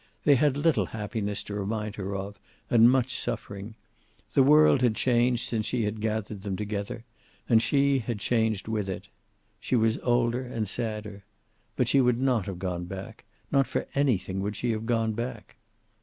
They had little happiness to remind her of, and much suffering. The world had changed since she had gathered them together, and she had changed with it. She was older and sadder. But she would not have gone back. Not for anything would she have gone back.